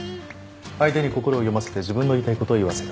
相手に心を読ませて自分の言いたいことを言わせた。